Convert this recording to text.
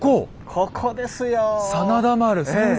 ここですよ！